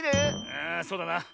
ああそうだな。